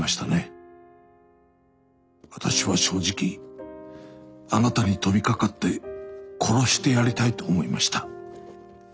「私は正直あなたに飛びかかって殺してやりたいと思いました。